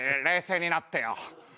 冷静になってよ。